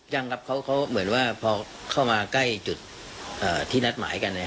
ยังครับเขาเหมือนว่าพอเข้ามาใกล้จุดที่นัดหมายกัน